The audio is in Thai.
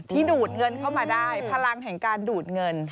ดูดเงินเข้ามาได้พลังแห่งการดูดเงิน